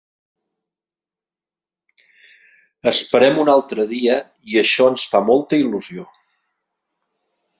Esperem un altre dia i això ens fa molta il·lusió.